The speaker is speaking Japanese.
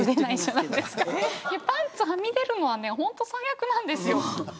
パンツはみ出るのは本当に最悪なんですよ。